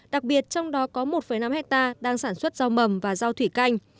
đặc biệt trong đó có một năm hectare đang sản xuất rau mầm và rau thủy canh